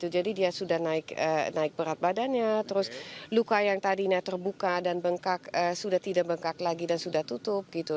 jadi dia sudah naik berat badannya terus luka yang tadinya terbuka dan bengkak sudah tidak bengkak lagi dan sudah tutup gitu